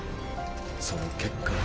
その結果。